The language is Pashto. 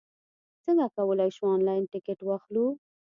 څنګه کولای شو، انلاین ټکټ واخلو؟